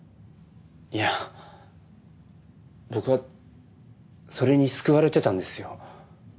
いや僕はそれに救われてたんですよ。